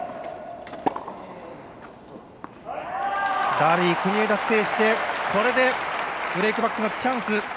ラリー、国枝制してこれでブレークバックのチャンス。